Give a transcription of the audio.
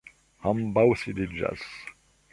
Ambaŭ sidiĝas.